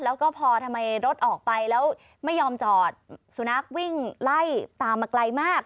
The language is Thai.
แล้วก็พอทำไมรถออกไปแล้วไม่ยอมจอดสุนัขวิ่งไล่ตามมาไกลมาก